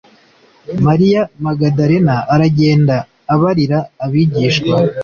mariya magadalena aragenda abarira abigishwa